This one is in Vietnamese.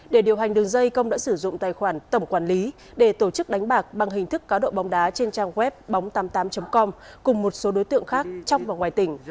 để điều hành đường dây công đã sử dụng tài khoản tổng quản lý để tổ chức đánh bạc bằng hình thức cá độ bóng đá trên trang web bóng tám mươi tám com cùng một số đối tượng khác trong và ngoài tỉnh